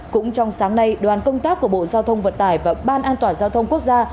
cũng trong sáng nay đoàn công tác của bộ giao thông vận tải và ban an toàn giao thông quốc gia